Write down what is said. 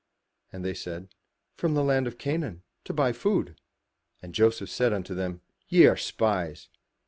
'* And they said, "From the land of Canaan to buy food." And Joseph said unto them, "Ye are spies.